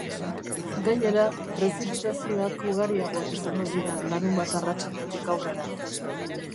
Gainera, prezipitazioak ugariagoak izango dira larunbat arratsaldetik aurrera.